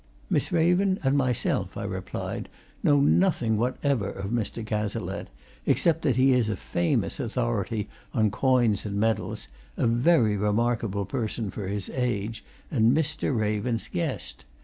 "Miss Raven and myself," I replied, "know nothing whatever of Mr. Cazalette except that he is a famous authority on coins and medals, a very remarkable person for his age, and Mr. Raven's guest.